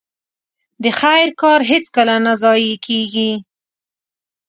د خير کار هيڅکله نه ضايع کېږي.